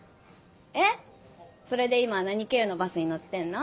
えっそれで今は何経由のバスに乗ってんの？